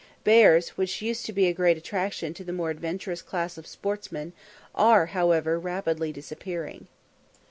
Bears, which used to be a great attraction to the more adventurous class of sportsmen, are, however, rapidly disappearing.